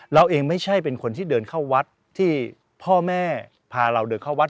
เราเองไม่ใช่เป็นคนที่เดินเข้าวัดที่พ่อแม่พาเราเดินเข้าวัด